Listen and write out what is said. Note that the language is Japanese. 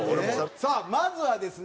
さあまずはですね